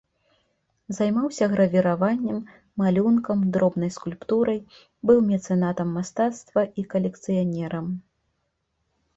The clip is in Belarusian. Займаўся гравіраваннем, малюнкам, дробнай скульптурай, быў мецэнатам мастацтва і калекцыянерам.